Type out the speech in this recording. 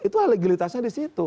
itu legalitasnya di situ